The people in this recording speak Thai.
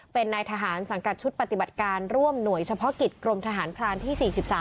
เป็นนายทหารสังกัดชุดปฏิบัติการร่วมหน่วยเฉพาะกิจกรมทหารพรานที่๔๓